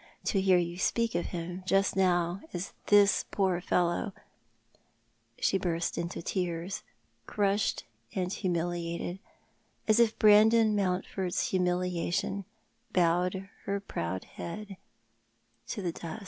To hear you speak of him just now as ' this poor fellow '" She burst into tears, crashed and humiliated, as if Brandon Mouutford's humiliation bowed her proud head to the dust.